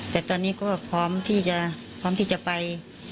แต่ตอนนี้ก็พร้อมที่จะพร้อมที่จะไป